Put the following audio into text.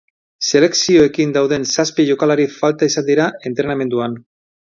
Selekzioekin dauden zazpi jokalari falta izan dira entrenamenduan.